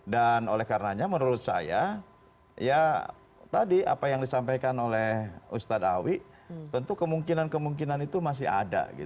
dan oleh karenanya menurut saya ya tadi apa yang disampaikan oleh ustadz ahwi tentu kemungkinan kemungkinan itu masih ada gitu